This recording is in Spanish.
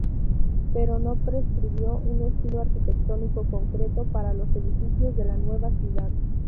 Pero no prescribió un estilo arquitectónico concreto para los edificios de la nueva ciudad.